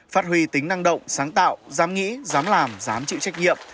phát huy tính năng động sáng tạo dám nghĩ dám làm dám chịu trách nhiệm